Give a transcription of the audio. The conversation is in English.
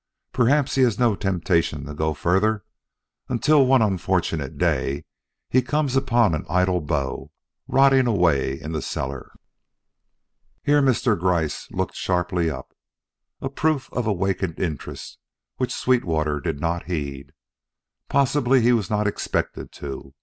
Perhaps he has no temptation to go further until one unfortunate day he comes upon an idle bow, rotting away in the cellar." Here Mr. Gryce looked sharply up a proof of awakened interest which Sweetwater did not heed. Possibly he was not expected to.